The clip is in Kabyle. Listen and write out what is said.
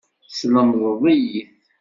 Teslemdeḍ-iyi-t.